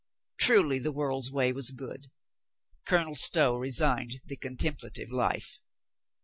Truly the world's way was good. Colonel Stow resigned the contemplative life.